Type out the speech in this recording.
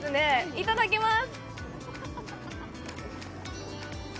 いただきます。